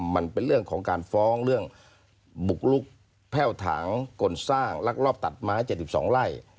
มันเป็นเรื่องของการฟ้องเรื่องบุกลุกแพ่วถังกลสร้างลักลอบตัดไม้๗๒ไร่